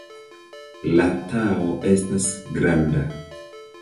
La Tao estas granda.